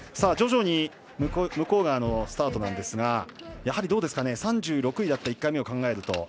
徐々に向川のスタートなんですが３６位だった１回目を考えると。